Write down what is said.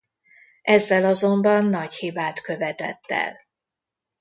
Ezzel azonban nagy hibát követett el.